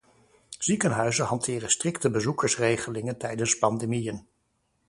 Ziekenhuizen hanteren strikte bezoekersregelingen tijdens pandemieën.